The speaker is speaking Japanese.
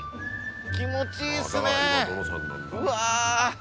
気持ちいいっすねうわ。